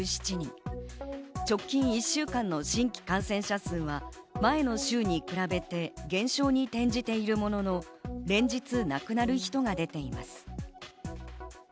直近１週間の新規感染者数は、前の週に比べて減少に転じているものの、連日亡くなる人が出ています。